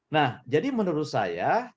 nah jadi menurut saya